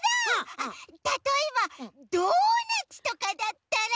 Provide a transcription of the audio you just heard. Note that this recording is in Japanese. たとえばドーナツとかだったら。